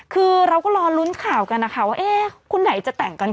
คือเราก็รอลุ้นข่าวกันนะคะว่าเอ๊ะคุณไหนจะแต่งกัน